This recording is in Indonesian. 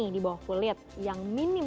di bawah kulit yang minim